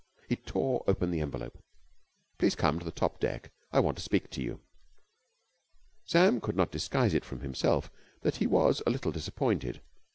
He tore open the envelope. "Please come up to the top deck. I want to speak to you." Sam could not disguise it from himself that he was a little disappointed.